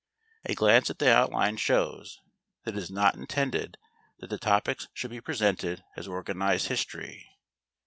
A glance at the outline shows that it is not intended that the topics should be presented as organized history.